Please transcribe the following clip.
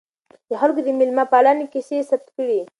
د خلکو د میلمه پالنې کیسې یې ثبت کړې.